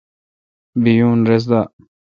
بییون رس دا۔